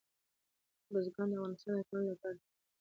بزګان د افغانستان د ټولنې لپاره بنسټیز رول لري.